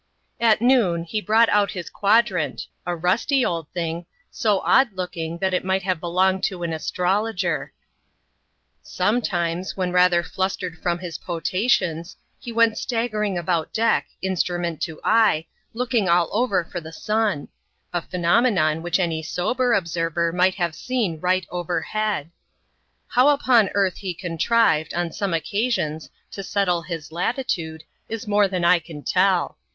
At noon he brought out his quadrant, a rusty old thing, so odd looking that it might have belonged to an astrologer. Sometimes, when rather flustered from his potations, he went staggering about deck, instrument to eye, looking all over for the sun — a phenomenon which any sober observer might have seen right overhead. How upon earth he contrived, on some occasions, to settle his latitude, is more than I can tell.